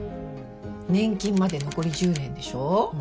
年金まで残り１０年でしょ。